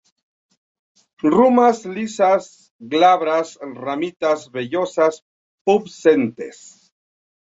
Ramas lisas, glabras; ramitas vellosas pubescentes.